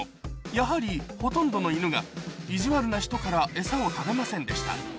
やはりほとんどのイヌがいじわるな人から餌を食べませんでした